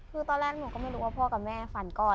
คือตอนแรกหนูก็ไม่รู้ว่าพ่อกับแม่ฝันก่อน